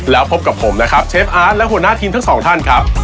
แล้วพบกับผมนะครับเชฟอาร์ตและหัวหน้าทีมทั้งสองท่านครับ